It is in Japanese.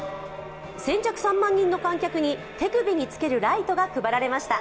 先着３万人の観客に手首につけるライトが配られました。